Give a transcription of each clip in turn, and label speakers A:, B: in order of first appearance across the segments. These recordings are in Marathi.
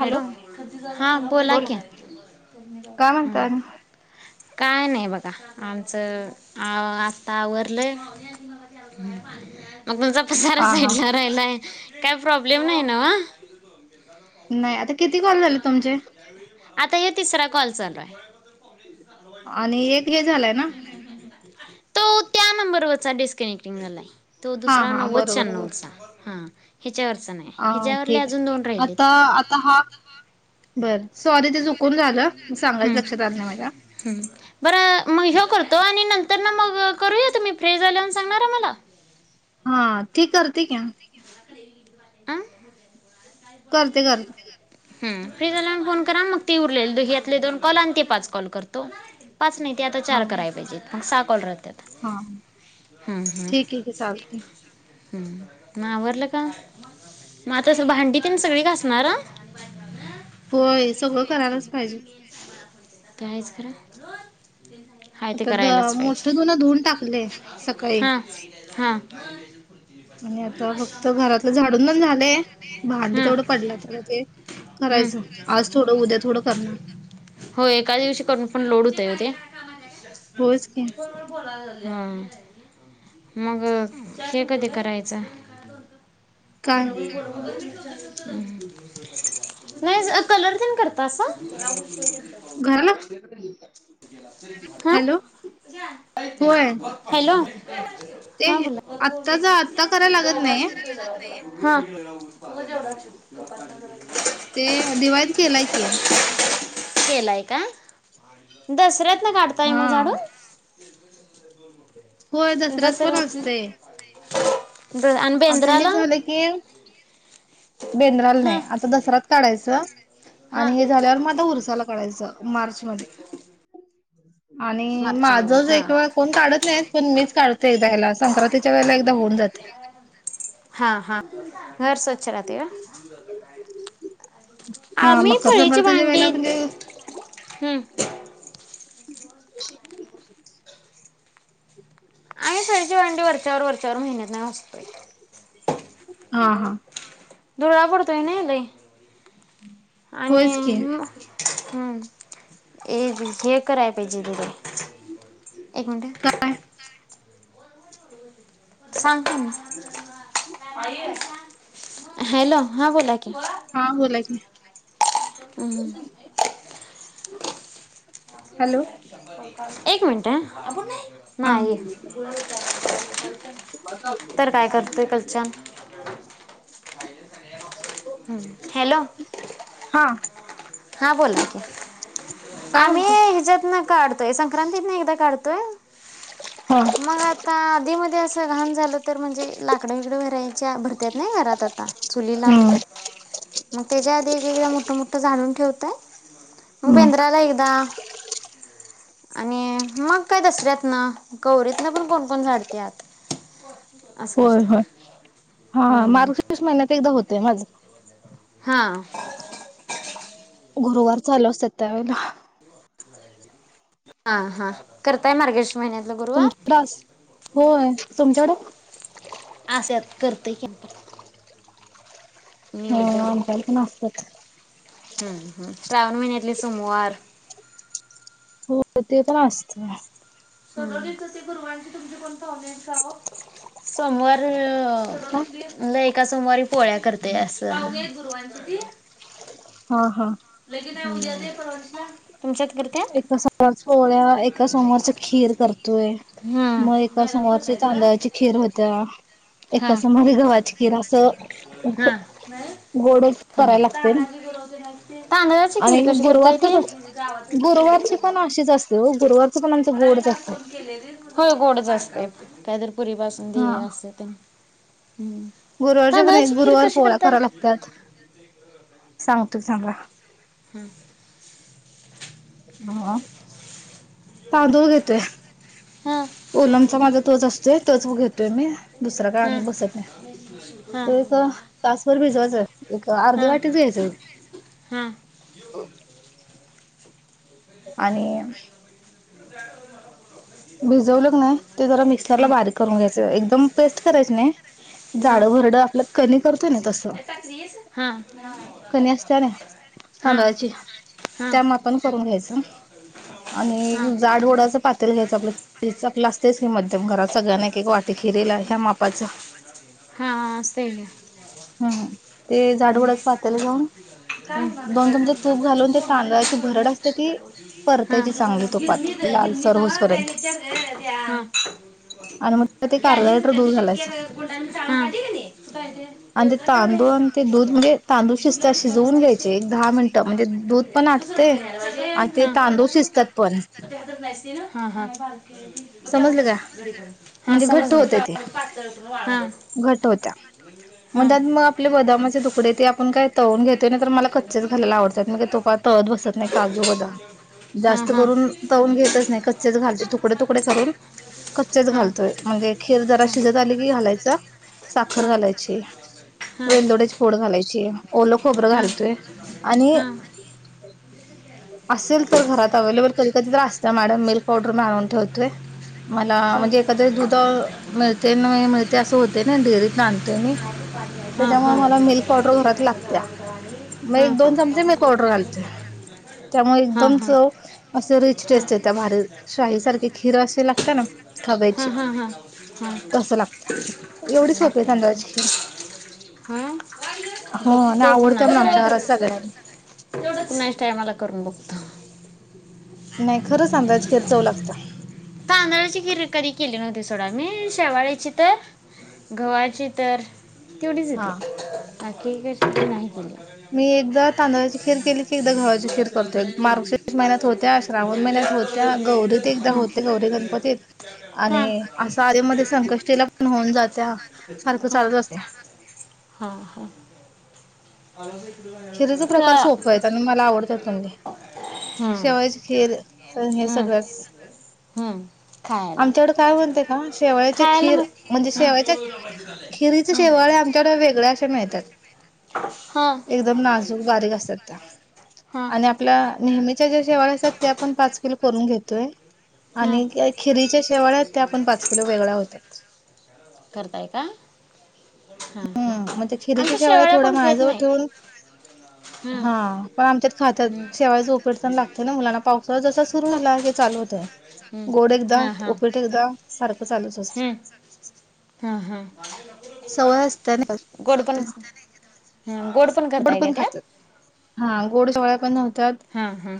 A: हॅलो हां बोला क
B: काय म्हणत अ
A: काय नाही बघा आमचं आ आता आवरवरलंय [inaudible] मग तुमचा पसारा
B: हा हा.
A: साईडला राहिलाय काय प्रॉब्लेम नाही ना वा
B: नाही आता किती कॉल झाले तुमचे
A: आता हे तिसरा कॉल चाललाय
B: आणि एक हे झालाय ना
A: [inaudible] तो त्या नंबरवरचा डिस्कनेक्टिंग झालाय तो
B: हा
A: दुसरा
B: हा बरोबर
A: नव्वदच्याण्चा हा याच्यावरच नाय याच्यावरले अजून दोन राहिले.
B: तर आता हा बरं सॉरी ते चुकून झालं मी सांगायचं लक्षात आलं नाही. माझ्या
A: बर मग ह्यो करतो. आणि नंतर तर ना मग करूया तुम्ही फ्री झाल्यावर सांगना मला!
B: हा ती करते का?
A: आं
B: करते करते.
A: ह फ्री झाल्यावर मग फोन करा मग ती उरलेल यातले दोन कॉल आणि ते पाच कॉल करतो पाच नाही. ते आता
B: हा.
A: चार करायला पाहिजेत मग सहा कॉल राहतील.
B: हा
A: हम्म हम्म
B: ठीक आहे की चालते
A: हम् मग आवरलं! का मग आता भांडी पण सगळी घासणार?
B: होय सगळं करायलाच पाहिजे.
A: ते आहेच खरं हाय ते
B: आता द
A: करायलाच पाहिजे.
B: मोठं धुन धुवून टाकले सकाळी
A: हा हा बा
B: आणि आता फक्त घरातलं झाडून पण झालंय. भांडी तेवढं पडलं तर आता ते
A: हम्
B: करायचं आज थोडं उद्या थोडं करणार
A: हो एकाच दिवशी करून पण लोड ते
B: होयच की
A: हा मग हे कधी करायचं.
B: काय
A: जरा वेळ बोलावं की लगेच चालू. नाही कलर न करत अस.
B: घराला
A: हा
B: हॅलो होय
A: हॅलो
B: ते
A: हा बोला,
B: आत्ताच आत्ता करायला लागत नाही
A: हा
B: ते दिवाळीत केलाय. की
A: केलाय का दसऱ्यात न काढताय मग
B: हा
A: झाडूण?
B: होय दसऱ्यात पण असतेय.
A: आणि
B: आता हे
A: बेंद्राला
B: झालं. की बेंदराला
A: हा
B: नाही. आता दसराच काढायचं.
A: हा
B: आणि हे झाल्यावर मग आता उरसाला काढायचं. मार्च मध्ये आणि
A: मागच्या
B: माझंच एक वेळ
A: महिन्यात
B: कोण काढत नाही. पण मीच काढते एकदा ह्याला संक्रांतीच्या वेळेला एकदा होऊन जाते.
A: हा हा हा घर स्वच्छ राहते का
B: [inaudible] हा
A: आम्ही
B: मकर
A: फळीची
B: संक्रांतीच्या वेळेला
A: भांडी
B: म्हणजे
A: हम
B: [inaudible]
A: आहे. फळीची भांडी वरच्यावर महिन्यातन असतोय.
B: हा हा
A: धुरळा पडतोय. ना लय आणि
B: होयच की
A: हम् एक हे करायला पाहिजे तु थे एक मिनट
B: काय
A: सांगते मी हॅलो हा बोला कि,
B: हा बोला की,
A: हम्म
B: हॅलो
A: एक मिनट
B: हा
A: नाही तर काय करतोय कलच्यान हॅलो
B: हा
A: हा बोल की
B: काय
A: आम्ही
B: म्हणता
A: ह्याच्यात न काढतोय संक्रांतीत ना एकदा काढतो.
B: हा
A: [inaudible] मग आता आदी, मधी असं घाण झालं. तर म्हणजे लाकड बिकडं भरायच्या भरत्यात नाही घरात आणावे लागतात चुलीला
B: हम्म
A: त्याच्या आधी एक एकदा मोठ मोठं झालून ठेवतय मग
B: हम्म
A: बेंदराला एकदा आणि मग काय दसऱ्यात ना गवरीतन पण कोण कोण झाडतात.
B: होय होय हा
A: हम्म.
B: मार्च महिन्यात एकदा होतेय माझं
A: हा
B: गुरुवार चालू असत त्यावेेळेला
A: हा हा करताय मार्गशिष
B: तुमच्यात असतय होय तुमच्याकडं
A: आसतात करते की,
B: होय
A: निवड
B: आमच्यात पण असतात.
A: हम्म हम श्रावण महिन्यातील सोमवार
B: हो ते तर ना असत
A: सवली गुरवांचे तुम कोण [unintelligible] सोमवार मला एका सोमवारी पोळ्या करते असं.
B: हा हा
A: [unintelligible] करत्यात?
B: एका सोमवार पोळ्या एका सोमवारच खीर करतोय
A: हम्म.
B: मग एका
A: मॅडम
B: सोमवार
A: करताय ग.
B: तांदळाची खीर होत्या.
A: हा
B: एका सोमवारी गव्हाची खीर असं.
A: हा. नाही
B: गोडच करायला लागते ना.
A: तांदुळाची खीर
B: आणि
A: कशी करताय
B: गुरुवारच
A: ती?
B: कस गुरुवारची पण अशीच असते हो गुरुवारच पण आमचं गोडच असतं.
A: हो गोडच असते नाही तर पुरी बासुंदी अस तेन हम्म.
B: गुरुवारचे पण
A: तांदळाची खीर
B: गुरुवार
A: कशी
B: पोळ्या
A: करताय?
B: कराव लागतात सांग चां
A: हम
B: हा तांदूळ घेतोय
A: हा.
B: कोलमचा माझा तोच असतोय तच घेतो तुम् दुसरा काळ
A: हा.
B: आम्ही बसत आहे
A: हा.
B: तो एक तासवरर भिजवायच एक अर्धे वाटी जाईल
A: हम
B: आणि
A: ठ
B: भिजवलंग नाही ते जरा मिक्सरला बारीक करून घ्यायचं एकदम पेस्ट करायच नाही
A: हा.
B: झाडं भरड आपलं कमी करतोय ना तसं कणी असत ना तांदळाची त्या म आपण करून घ्यायचं आणि जाड होओडाच पातल घ्यायच चकला असतेच की मध्यम घरात सगळ्यांना एक एक वाटी फिरला ह्या मापाच
A: हा सई आहे
B: हम्म ते झाड उडाच पातल जाऊन
A: हा. गुंडांनी
B: दोन चमचे तूप घालून ते
A: चाळून काढली
B: तांदळाची
A: की
B: भरड
A: नाही
B: असते ती परतायची चांगली तुपात लाल सर्व
A: ंगचत
B: आणि मग त्यात एक अर्धा लिटर
A: गॅज
B: दूध
A: चिक्के
B: घालायचं
A: गुंडाठीक आहे [inaudible]
B: आणि ते तांदूळ आणि ते दूध म्हणजे तांदूळ शिजता शिजवून
A: आहे ते?
B: घ्यायचे एक दहा मिनटं म्हणजे दूध पण
A: दुसरं
B: आटते
A: ठिकाणी यायला पाहिजे
B: आणि
A: एवढं
B: ते तांदूळ
A: लागलं.
B: शिजतात पण
A: मग ते हातात नाही असते ना हा हा
B: समजलं का
A: हा
B: म्हणजे
A: समज हा
B: घट होत्या मग
A: हा
B: त्यात मग आपले बदामाचे तुकडे ते आपण काय तळून घेतोय तर मला कच्चेच घायला आवडत तुपात तळत बसत नाही काजू बदाम
A: हा
B: जास्त
A: हा
B: करून तवून घेतच नाही कच्चेच घालचे तुकडे तुकडे करून कच्चेच
A: हा हा
B: घालतोय म्हणजे खीर जरा शिजत आली की घालायचा
A: हम्
B: वेलदोडेच पोड घालायची ओल खोबरं
A: हा हा हा
B: घालतोय आणि असेल तर घरात अवे्लेबल कधी कधी तर असत मॅडम मिल्क पावडर मी आणून ठेवतोय मला म्हणजे एखादे दुध मिळते मिळते असं होते ना डेअरीत आणतेोय मी
A: हा हा हा हा
B: त्याच्यामुळे मला मिल्क पावडर घरात लागते मग एक दोन चमचे मिल्क पावडर घालते त्यामुळे एकदम च असे रिच टेस्ट य त्या भारी शाहीसारखी हिरं असे लागत ना खबायची
A: हां
B: सोपी आहे
A: लागतेची
B: तांदळाची खीर.
A: ह
B: हो आणि
A: बक्तव
B: आवडते पण
A: नाचा
B: आमच्या घरात सगळ्यांनी
A: तेवढच नक्स्टायमला करून बघत
B: नाही खरंच अंदाज खेर चव लागत
A: तांदळाची किर कधी केली नव्हती सोडा मी शवाळेची तर गंव्हाची तर तेवढीचेतया
B: हा.
A: अखठीके े नाही पोल
B: मी एकदा तांदळाची खीर केली की एकदा घावाची खीर करतो मार्ग महिन्यात होत्या श्रावण महिन्या होत्या गौरीत एकदा होत्या गौरी गणपतीत
A: हां
B: आणि असं आधी मध्ये संकष्टीला होऊन जात्या सारख
A: हा हा हा
B: हिरीचे प्रकार सोप आहेत आणि मला आवडत म्हणले
A: हं,
B: शेवायची खेर सण हे
A: हं,
B: सगळंच
A: हं. खायला
B: आमच्याकडे काय म्हणतेय का शेवाळचे
A: खायला
B: खीर
A: मग
B: म्हणजे शेवाळच्या खिरीच
A: हं,
B: शेवाळे आमच्याकडे वेगळ्या असशे मिळतात
A: हं,
B: एकदम नाजूक बारीक असतात त्या
A: हं,
B: आणि आपल्या नेहमीच्या ज्या शेवा असात त्या पण पाच ून घोय
A: हं.
B: खिरीच्या शेवाळ्या त्या होतात.
A: करताय का हां हां
B: हम् म्हणजे खेरीच्या
A: आमच्या
B: शिवाय
A: शेवाळ्या
B: थोडा
A: कोण खात
B: माजवर
A: नाही
B: ठेवून
A: हं,
B: हा पण आमच्यात खातात
A: हं,
B: शेवाय झोपेडचाण लागत ना मुलांना पाऊस जसा सुरु झाला चालू होत
A: हं.
B: गोड एकदा ओपीट एकदा सारख
A: हम्म हम हम
B: सवय असताना त
A: हं, गोड पण करताय का
B: बडपण खात
A: त्यात
B: हा गोड सोळ्या पण नव्हतात
A: हां हां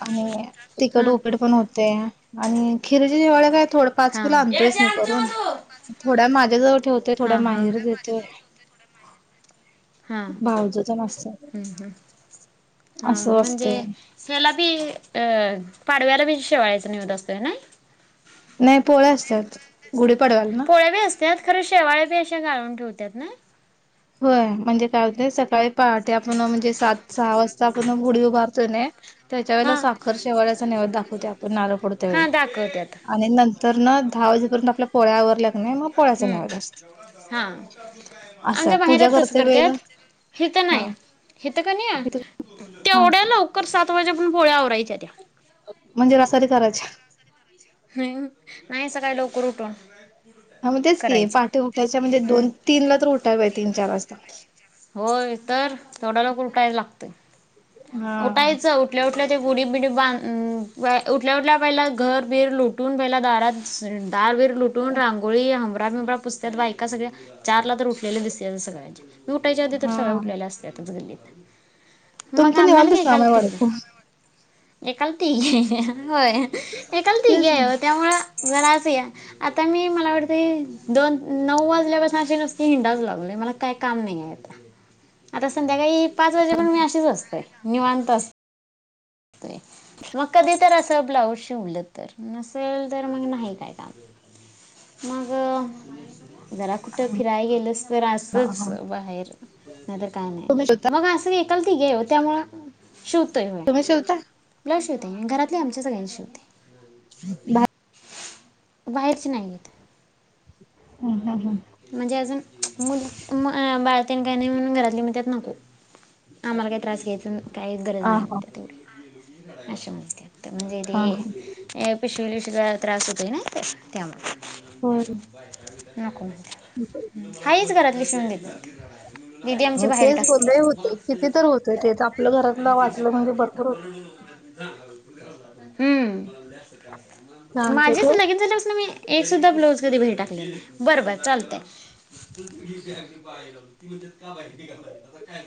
B: आणि तिकट
A: हा
B: उपड पण होते आणि खिरीची जवाळ काय थोड पाच
A: हा
B: किल
A: याचे
B: आणतोयस मी
A: आणतो
B: करून
A: मग तू
B: थोड्या माझ्याजवळ होत थोडा
A: हा हा
B: माहीर देतोय
A: हा
B: तेन असतात.
A: हम्म हम् हा
B: असं
A: म्हणजे
B: असतंय.
A: त्याला बी अ पाडव्याला बी शेवाचा निवत असतोय ना
B: गुढ पडवाल ना
A: त्यात खरं शेवाळे बी अशा गाळून ठेवतात ना
B: होय म्हणजे काय सकाळी पहाटे आपण म्हणजे सात सहा वाजता आपण गुडी उभारतो त त्याच्या वेळेला
A: हा
B: साखर शेवाळ्याचा नेवद दाखवते आपण नाल पडत्या
A: हा
B: वेळी
A: दाखवतात
B: आणि नंतर ना आवजीपर्यंत आपल्या पोळ्यावर लाग नाही मग पो्याचा
A: हम्म
B: नाहीवाज जात
A: हा आच्या
B: पूजा करते वेला
A: हथं नाही हथं का नाही
B: इथं हा
A: तेवढ्या लवकर सात वाजे पण पोळ्यावरय
B: म्हणजे रसाारी करायच्या
A: हम् नाही सकाळी लवकर उठून
B: हा म्हण तेच की
A: करायच्या
B: पाठीे उठायच्या म्हणजे
A: हम्म
B: दोन तीन ला तर उठायला आहे तीन चार वाजता
A: होय तर थोडा लोक उटायला लागत
B: हा
A: उठायचं उठल्या व ठल्या ते गुडी बिडी बांध उठल्या उठल्या पहि घरबिर लुटून पहिला दारात दारवीर लुटून रांगोळी हमबरा बिबरा पुस्त्यात बायका सगळ्या चारला तर उठले दिसते सगळ्यांचे मी उठायच्या आी तर
B: हा
A: सगळ्या उलेल्या असतच गल्लीत मग
B: तुमचं
A: आम्यालग
B: निवांतच काम आहे
A: कलतीे
B: वाटतं
A: एकाल ती घे होय एकाल त
B: तेच
A: घे त्यामुं जराच या आता मी मला वाटतेी दोन नऊ वाजल्यापासून अे नुसते हिंडाचू लावले म काही काम नाही आ संध्याकाळी पाच वाजेपर्य मी अशीच असते निवांत असते मग कधी तर असं ब्लाऊज शिवलं तर नसेल तर मग नाही काय काम मगं जरा कुठं फिरायला गेलस तर
B: हा
A: असंच
B: हा
A: बाहेर नाही तर काय नाही
B: तुम्ही शिवता
A: मग असं एककाल ती घेव त्यामुं
B: तुम्ही शिवता
A: शेवते घरातले आमच्या सगळ्यां शिवते
B: बा
A: बाहेरचे नाहीेत
B: हं, हं, हं.
A: म्हणजे अजून मु बाळतेन काही नाही म्हणून घरातली म त्यात नको आम्हाला काही त्रास घ्यायचं काही गरज
B: हां,
A: नाही
B: हां.
A: म्हणत ते एवढ अशा म्हस्ते म्हणजे ते
B: हां, हां.
A: पिशवीशी त्रास होतील ना ते
B: होय.
A: त्यामुळे नको म्हण हाहीच घरात ल शिून घेत
B: मग तेच बोल होत किती तर होतय तेच आपलं घरातलं वाचलं म्हणजे ब हो
A: हम्म
B: हां, ते
A: माझेच
B: ठेवू?
A: लगेच झालं ना मी एक सुद्धा ब्लाऊज कधी घरी टाकले बर बर चालतय बाहेर ती म्हणात का बाहेर निघाणार आता काय